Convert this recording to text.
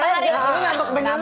aku ngamuk benangan